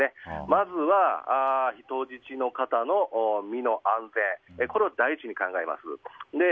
まずは人質の方の身の安全を第一に考えます。